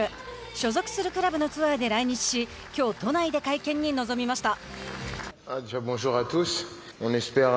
所属するクラブのツアーで来日し、きょう都内で会見に臨みました。